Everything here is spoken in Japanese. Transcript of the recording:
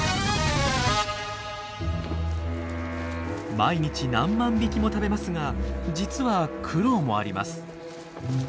毎日何万匹も食べますが実は苦労もあります。